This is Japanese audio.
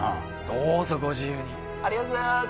どうぞご自由に☎ありがとうございます